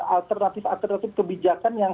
alternatif alternatif kebijakan yang